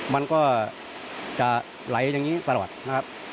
มันก็จะไหลอย่างนี้ตลอดนะครับ